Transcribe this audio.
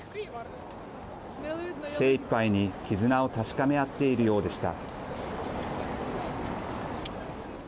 精いっぱいに絆を確かめ合っているようでした。